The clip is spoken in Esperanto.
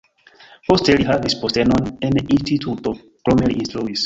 Poste li havis postenon en instituto, krome li instruis.